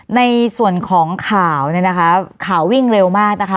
ในส่วนของข่าวเนี่ยนะคะข่าววิ่งเร็วมากนะคะ